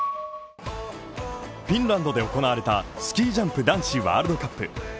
フィンランドで行われたスキージャンプ男子ワールドカップ。